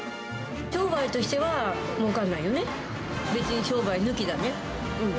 商売としては、もうからないよね、別に商売抜きだね。